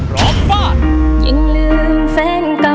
ร้องบ้า